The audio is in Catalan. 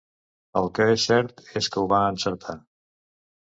El que és cert és que ho va encertar.